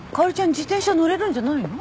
自転車乗れるんじゃないの？